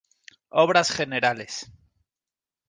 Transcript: Obras generales